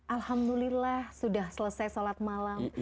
alhamdulillah sudah selesai sholat malam